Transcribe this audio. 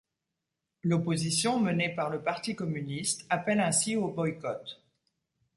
L'opposition menée par le parti communiste appelle ainsi au boycott.